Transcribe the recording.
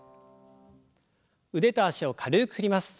腕と脚を軽く振ります。